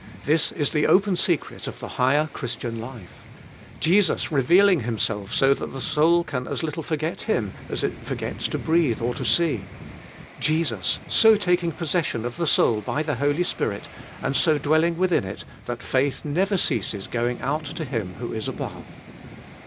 This Is the open secret of the higher Christian life Jesus revealing Himself so that the soul can as little forget Him as it forgets to breathe or to see Jesus so taking possession of the soul by the Holy Spirit and so dwelling within it, that faith never ceases going out to Him who is above.